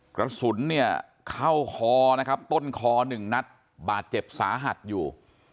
กระสุนเข้าคอต้นคอ๑นัดบาดเจ็บสาหัสอยู่